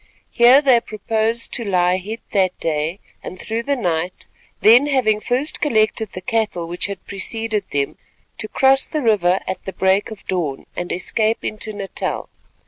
Here they proposed to lie hid that day and through the night; then, having first collected the cattle which had preceded them, to cross the river at the break of dawn and escape into Natal.